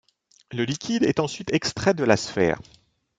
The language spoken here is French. Le liquide est ensuite extrait de la sphère.